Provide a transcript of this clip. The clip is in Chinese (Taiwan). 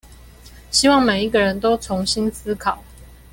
希望每一個人都重新思考